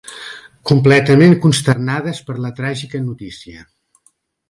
Completament consternades per la tràgica notícia.